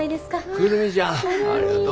久留美ちゃんありがとう。